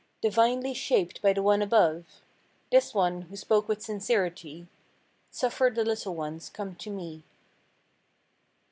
Divinely shaped by the One above. This One who spoke with sincerity: "Suffer the little ones come to Me."